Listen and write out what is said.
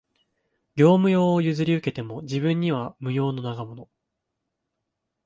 業務用を譲り受けても、自分には無用の長物